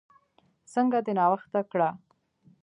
څنګه دې ناوخته کړه؟